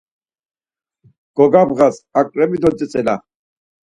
Gogabğase aǩrep̌i do tzitzila